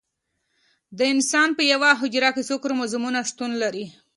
د انسان په یوه حجره کې څو کروموزومونه شتون لري